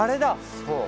そう。